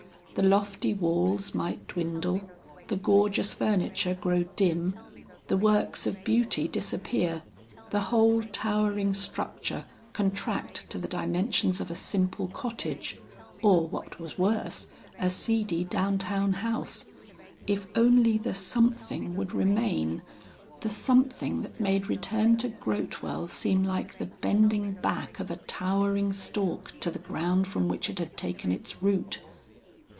The lofty walls might dwindle, the gorgeous furniture grow dim, the works of beauty disappear, the whole towering structure contract to the dimensions of a simple cottage or what was worse, a seedy down town house, if only the something would remain, the something that made return to Grotewell seem like the bending back of a towering stalk to the ground from which it had taken its root.